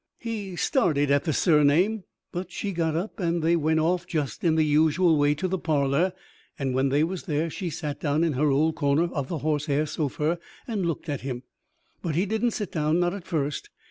He started at the surname; but she got up, and they went off just in the usual way to the parlor; and when they was there, she sat down in her old corner of the horsehair sofa and looked at him. But he didn't sit down not at first.